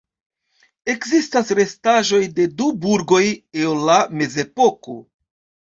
Ekzistas restaĵoj de du burgoj el la mezepoko.